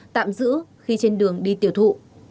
tạm giữ khi trên đường đi tiểu thụ